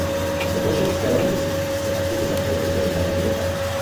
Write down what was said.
Po bolševické revoluci se aktivně zapojil do veřejného života.